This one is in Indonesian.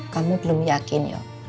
kamu belum yakin yoh